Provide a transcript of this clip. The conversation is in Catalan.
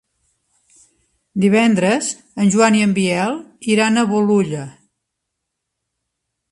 Divendres en Joan i en Biel iran a Bolulla.